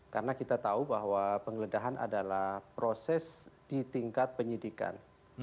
karena kita tahu bahwa penggeledahan adalah proses di tingkat penyidikan